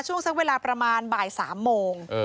ช่วงสักเวลาประมาณบ่ายสามโมง